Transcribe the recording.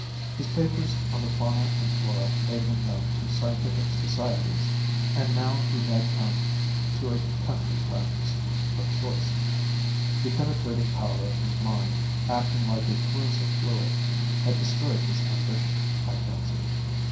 His papers on the fauna and flora made him known to scientific societies. And now he had come to a country practice from choice. The penetrating power of his mind, acting like a corrosive fluid, had destroyed his ambition, I fancy.